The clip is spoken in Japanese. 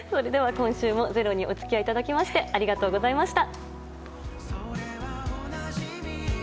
今週も「ｚｅｒｏ」にお付き合いいただきましてありがとうございました。